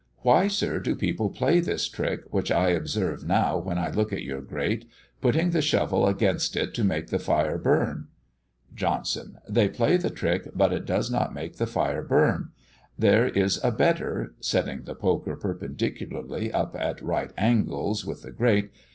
_ "Why, sir, do people play this trick, which I observe now when I look at your grate, putting the shovel against it to make the fire burn?" Johnson. "They play the trick, but it does not make the fire burn. There is a better (setting the poker perpendicularly up at right angles with the grate.)